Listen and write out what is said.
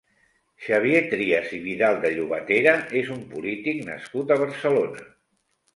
Xavier Trias i Vidal de Llobatera és un polític nascut a Barcelona.